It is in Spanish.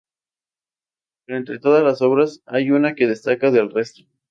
Pero entre todas las obras, hay una que destaca del resto.